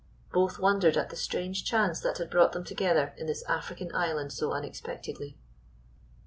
Both wondered at the strange chance that had brought them together in this African island so unexpectedly.